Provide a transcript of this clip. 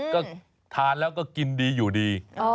ก็ทานแล้วก็กินดีอยู่ดี